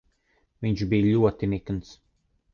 Viņš bija ļoti nikns.